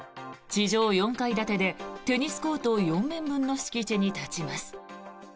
地上４階建てでテニスコート４面分の敷地に立ちます。